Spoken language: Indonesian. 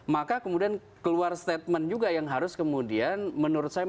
maka kemudian keluar statement juga yang harus kemudian menurut saya